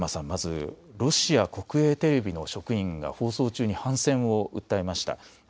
ロシア国営テレビの職員が放送中に反戦を訴えました。